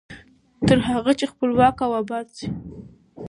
تر هغه چې خپلواک او اباد شو.